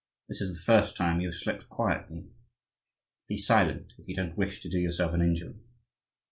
This is the first time you have slept quietly. Be silent if you don't wish to do yourself an injury."